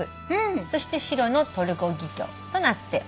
そして白のトルコギキョウとなっております。